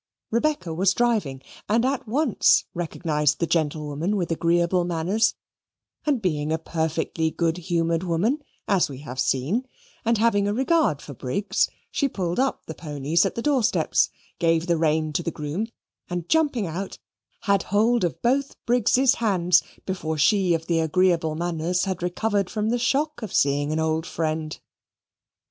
Rebecca was driving, and at once recognized the gentlewoman with agreeable manners, and being a perfectly good humoured woman, as we have seen, and having a regard for Briggs, she pulled up the ponies at the doorsteps, gave the reins to the groom, and jumping out, had hold of both Briggs's hands, before she of the agreeable manners had recovered from the shock of seeing an old friend.